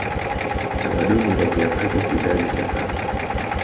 tamaduni za kiafrika Kizazi cha sasa